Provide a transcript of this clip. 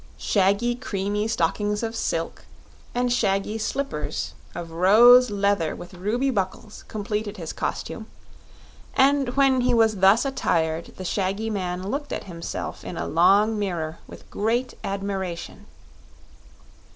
Shaggy creamy stockings of silk, and shaggy slippers of rose leather with ruby buckles, completed his costume, and when he was thus attired the shaggy man looked at himself in a long mirror with great admiration.